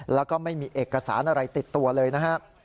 แล้วก็ไม่มีเอกสารอะไรติดตัวเลยนะครับ